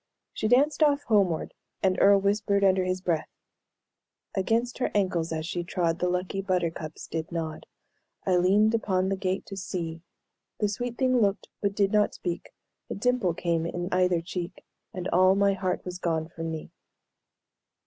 She danced off homeward, and Earle whispered under his breath: "Against her ankles as she trod, The lucky buttercups did nod; I leaned upon the gate to see The sweet thing looked, but did not speak A dimple came in either cheek, And all my heart was gone from me!"